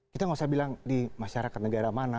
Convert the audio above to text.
kita tidak perlu bilang di masyarakat negara mana